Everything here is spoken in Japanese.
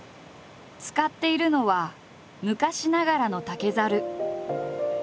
使っているのは昔ながらの竹ざる。